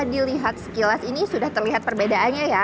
nah jika dilihat sekilas ini sudah terlihat perbedaannya